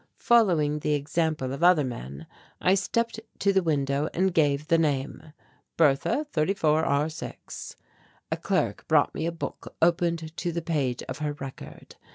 Following the example of other men, I stepped to the window and gave the name: "Bertha 34 R 6." A clerk brought me a book opened to the page of her record.